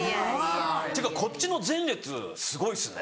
っていうかこっちの前列すごいですね。